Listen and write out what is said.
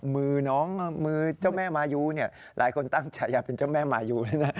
มือเจ้าแม่มายูหลายคนตั้งใจอยากเป็นเจ้าแม่มายู